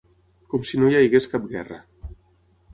Com si no hi hagués cap guerra